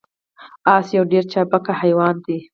اس یو ډیر چابک حیوان دی